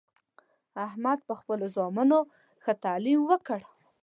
احمد په خپلو زامنو ښه تعلیم وکړ